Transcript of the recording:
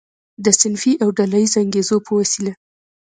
د صنفي او ډله ییزو انګیزو په وسیله.